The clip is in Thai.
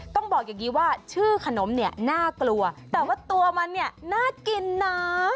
ต้องบอกอย่างนี้ว่าชื่อขนมเนี่ยน่ากลัวแต่ว่าตัวมันเนี่ยน่ากินนะ